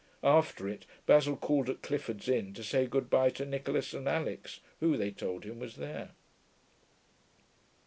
After it Basil called at Clifford's Inn to say good bye to Nicholas and Alix, who, they told, him, was there.